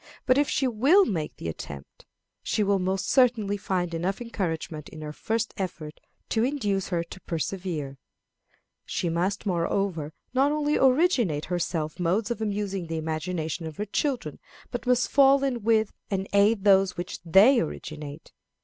But if she will make the attempt, she will most certainly find enough encouragement in her first effort to induce her to persevere. [Illustration: THE IMAGINATIVE FACULTY.] She must, moreover, not only originate, herself, modes of amusing the imagination of her children, but must fall in with and aid those which they originate.